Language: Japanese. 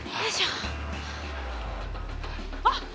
あっ！